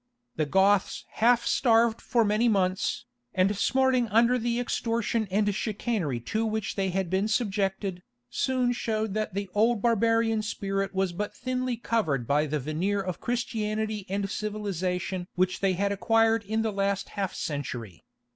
The Goths half starved for many months, and smarting under the extortion and chicanery to which they had been subjected, soon showed that the old barbarian spirit was but thinly covered by the veneer of Christianity and civilization which they had acquired in the last half century.